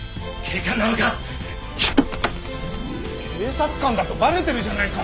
警察官だとバレてるじゃないか！